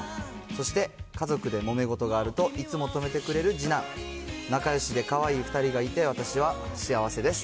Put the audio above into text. そして家族でもめ事があると、いつも止めてくれる次男、仲よしでかわいい２人がいて、私は幸せです。